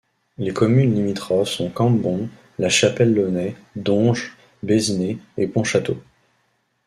Les communes limitrophes sont Campbon, La Chapelle-Launay, Donges, Besné et Pontchâteau.